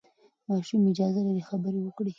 ماشومان اجازه لري خبرې وکړي.